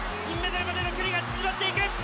金メダルまでの距離が縮まっていく！